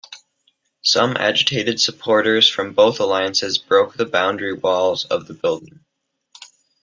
Some agitated supporters from both alliances broke the boundary walls of the building.